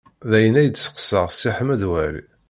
D ayen ay d-yeqsed Si Ḥmed Waɛli.